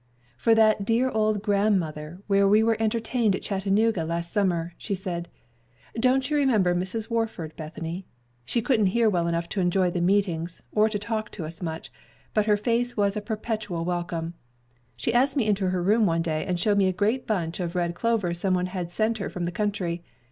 "For that dear old grandmother where we were entertained at Chattanooga last summer," she said. "Don't you remember Mrs. Warford, Bethany? She couldn't hear well enough to enjoy the meetings, or to talk to us much, but her face was a perpetual welcome. She asked me into her room one day, and showed me a great bunch of red clover some one had sent her from the country.